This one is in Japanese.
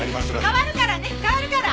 代わるからね代わるから。